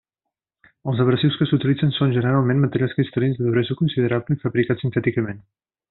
Els abrasius que s'utilitzen són, generalment, materials cristal·lins de duresa considerable i fabricats sintèticament.